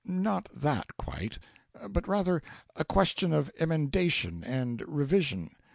Not that quite; but, rather, a question of emendation and revision.